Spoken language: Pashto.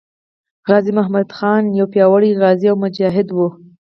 غازي محمد جان خان یو پیاوړی غازي او مجاهد وو.